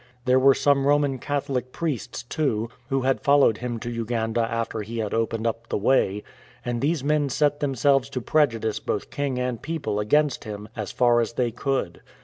There were some Roman Catholic priests, too, who had followed him to Uganda after he had opened up the way, and these men set themselves to prejudice both king and people against him as far as they could.